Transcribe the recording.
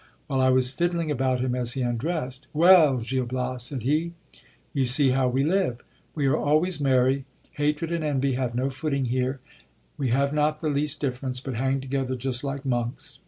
While I was fiddling about him as he undressed : Well ! Gil Bias, said he, you see how we live ! We are always merry ; hatred and envy have no footing here ; we have not the least difference, but hang together just like monks.